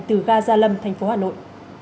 từ ga gia lâm thành phố hà nội